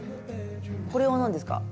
これは何ですか？